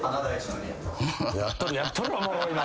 やっとるやっとるおもろいの。